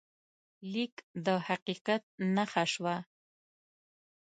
لیک د حقیقت نښه شوه.